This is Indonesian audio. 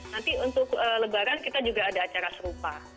nanti untuk lebaran kita juga ada acara serupa